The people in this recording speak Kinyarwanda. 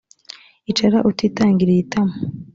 icara utitangiriye itama.